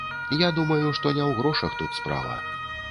Я думаю, што не ў грошах тут справа.